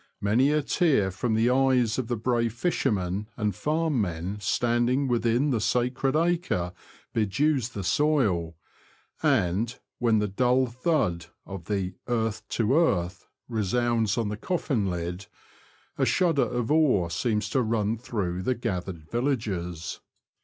Many a tear from the eyes of the brave fishermen and farm men standing within the sacred acre bedews the soil, and, when the dull thud of the "earth to earth" resounds on the coflfin lid, a shudder of awe seems to run through the gathered villagers.